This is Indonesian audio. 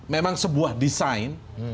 memang sebuah desain